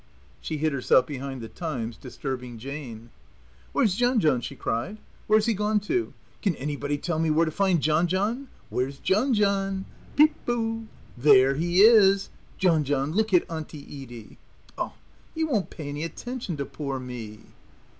She hid herself behind the Times disturbing Jane. "Where's John John?" she cried. "Where's he gone to? Can anybody tell me where to find John John? Where's John John? Peep bo there he is! John John, look at Auntie Edie. Oh, he won't pay any attention to poor me."